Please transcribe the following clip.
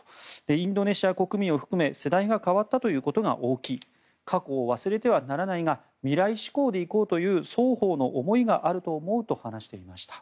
インドネシア国民を含め世代が変わったということが大きい過去を忘れてはならないが未来志向で行こうという双方の思いがあると思うと話していました。